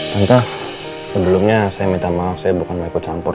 langkah sebelumnya saya minta maaf saya bukan ikut campur